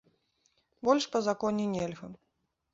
Больш па законе нельга.